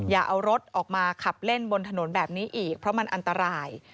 อย่าเอารถออกมาขับเล่นบนถนนแบบนี้อีกเพราะมันอันตราย